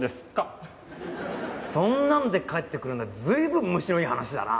そんなんで帰ってくるなんて随分虫のいい話だな。